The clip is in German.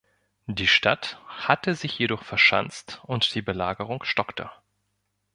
Die Stadt hatte sich jedoch verschanzt und die Belagerung stockte.